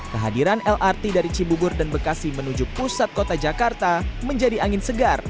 kehadiran lrt dari cibubur dan bekasi menuju pusat kota jakarta menjadi angin segar